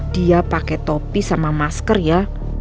dia pakai topi sama masker ya